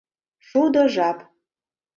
«Шудо жап...